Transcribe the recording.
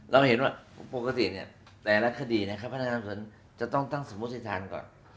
เราเห็นว่าปกติแต่ละคดีพนักงานศัพท์จะต้องตั้งสมสัยธารก่อน